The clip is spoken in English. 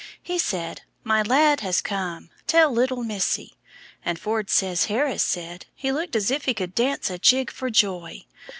He said, 'My lad has come, tell little missy,' and Ford says Harris said, 'He looked as if he could dance a jig for joy!'